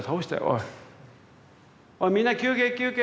おいみんな休憩休憩。